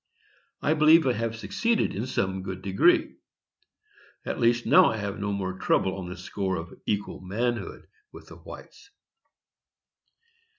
I believe I have succeeded in some good degree; at least, I have now no more trouble on the score of equal manhood with the whites.